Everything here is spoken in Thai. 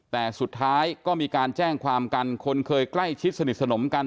แต่สุดท้ายก็มีการแจ้งความกันคนเคยใกล้ชิดสนิทสนมกัน